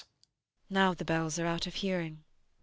] Now the bells are out of hearing.